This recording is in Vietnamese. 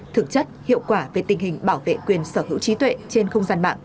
thực chất hiệu quả về tình hình bảo vệ quyền sở hữu trí tuệ trên không gian mạng